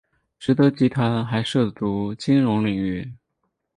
实德集团还涉足金融领域。